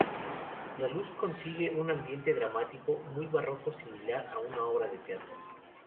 La luz consigue un ambiente dramático muy barroco similar a una obra de teatro.